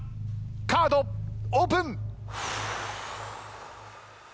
カードオープン！